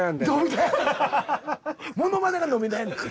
モノマネが伸び悩んでる。